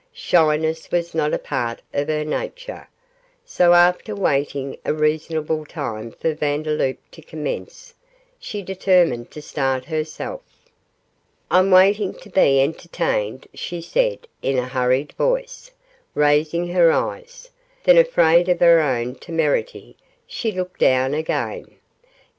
Shyness was not a part of her nature, so after waiting a reasonable time for Vandeloup to commence, she determined to start herself. 'I'm waiting to be entertained,' she said, in a hurried voice, raising her eyes; then afraid of her own temerity, she looked down again.